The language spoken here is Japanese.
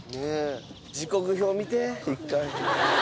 時刻表見て一回。